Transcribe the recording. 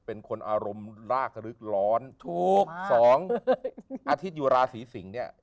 เป็นคนอารมณ์รากลึกร้อน๒อาทิตยุราศีสิงค์เนี่ย